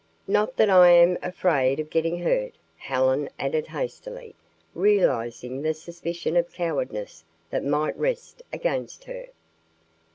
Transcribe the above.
"Not that I am afraid of getting hurt," Helen added hastily, realizing the suspicion of cowardice that might rest against her.